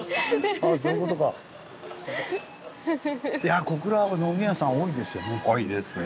いやぁ小倉は飲み屋さん多いですよね。